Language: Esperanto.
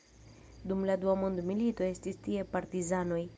Dum la dua mondmilito estis tie partizanoj.